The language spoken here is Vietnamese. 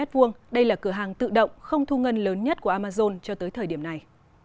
cửa hàng tự động không thu ngân lớn nhất của amazon cho tới thời điểm này